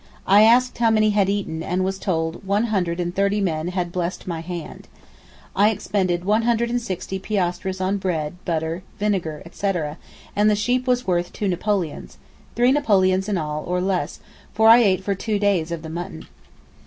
I asked how many had eaten and was told one hundred and thirty men had 'blessed my hand.' I expended 160 piastres on bread, butter and vinegar, etc. and the sheep was worth two napoleons; three napoleons in all, or less—for I ate for two days of the mutton.